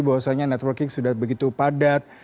bahwa soalnya networking sudah begitu padat